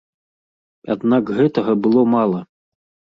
Аднак гэтага было мала.